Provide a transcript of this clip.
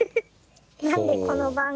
何でこの番組。